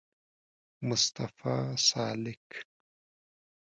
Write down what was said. مصطفی سالک